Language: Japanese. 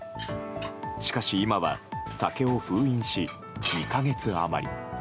しかし今は酒を封印し、２か月余り。